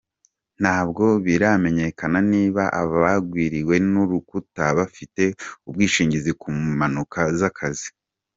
Ntabwo biramenyekana niba abagwiriwe n’urukuta bafite ubwishingizi ku mpanuka z’akazi.